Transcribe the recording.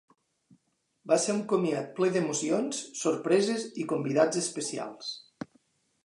Va ser un comiat ple d’emocions, sorpreses i convidats especials.